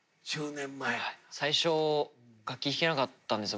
最初楽器弾けなかったんですよ。